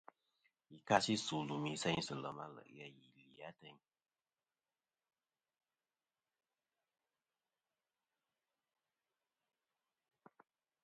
Yì kasi su lùmì seynsɨ lèm a le' ghè a zɨ nì li atayn.